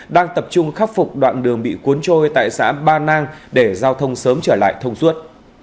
đang tập trung khắc phục đoạn đường bị cuốn trôi tại xã ba nang để giao thông sớm trở lại thông suốt